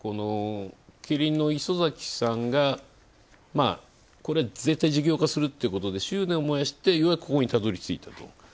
キリンの磯崎さんが事業化するということで執念を持ってようやく、ここにたどりついたと。